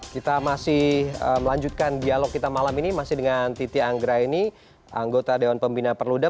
kita masih melanjutkan dialog kita malam ini masih dengan titi anggra ini anggota dewan pembina perluda